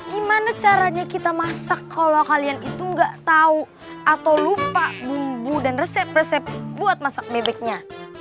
gimana caranya kita masak kalau kalian itu nggak tahu atau lupa bumbu dan resep resep buat masak bebeknya